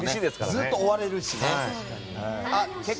ずっと追われるしね。